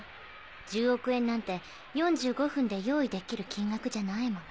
１０億円なんて４５分で用意できる金額じゃないもの。